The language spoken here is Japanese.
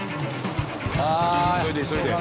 急いで急いで。